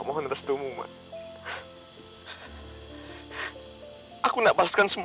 kamu harus jaga baik baik peninggalan ayah kamu